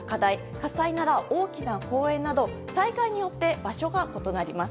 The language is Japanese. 火災なら大きな公園など災害によって、場所が異なります。